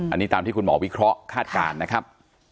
อันนี้ตามที่คุณหมอวิเคราะห์คาดการณ์นะครับ